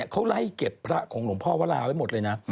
เขาไล่เก็บพระของหลวงพ่อวราไว้หมดเลยนะ